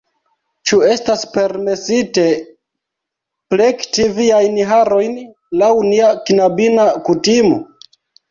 Ĉu estas permesite plekti viajn harojn laŭ nia knabina kutimo?